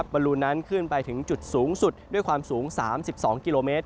บรรลูนั้นขึ้นไปถึงจุดสูงสุดด้วยความสูง๓๒กิโลเมตร